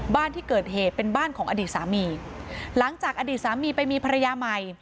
บ้านที่เกิดเหตุเป็นบ้านของอดีตสามีหลังจากอดีตสามีไปมีภรรยาใหม่